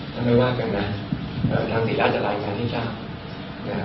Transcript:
ถ้าไม่ว่ากันนะทางศิลาจะรายงานให้ชาว